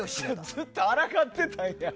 ずっと、あらがってたんや。